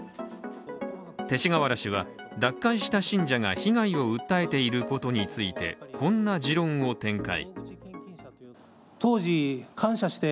勅使河原氏は、脱会した信者が被害を訴えていることについてこんな持論を展開。